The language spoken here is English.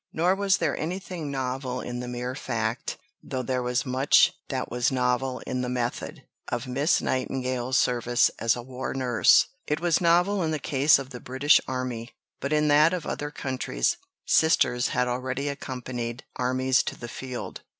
Nor was there anything novel in the mere fact, though there was much that was novel in the method, of Miss Nightingale's service as a war nurse. It was novel in the case of the British Army, but in that of other countries Sisters had already accompanied armies to the field.